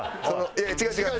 いや違う違う！